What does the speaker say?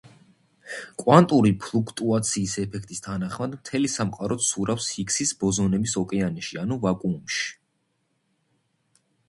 კვანტური ფლუქტუაციის ეფექტის თანახმად მთელი სამყარო ცურავს ჰიგსის ბოზონების ოკეანეში ანუ ვაკუუმში.